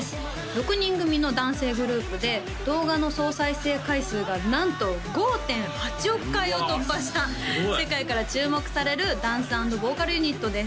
６人組の男性グループで動画の総再生回数がなんと５．８億回を突破した世界から注目されるダンス＆ボーカルユニットです